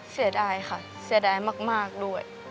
เสียดายค่ะเสียดายมากด้วย